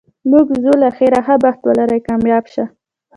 موږ ځو له خیره، ښه بخت ولرې، کامیاب شه.